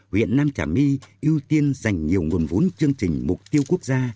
huyện nam trà my ưu tiên dành nhiều nguồn vốn chương trình mục tiêu quốc gia